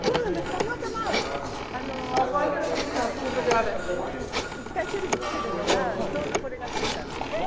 たまたま布団に入った時にいつも１回テレビつけるのがちょうどこれがついたんです。